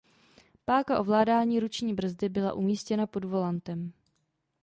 Páka ovládání ruční brzdy byla umístěna pod volantem.